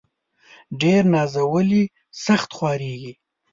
ډير نازولي ، سخت خوارېږي.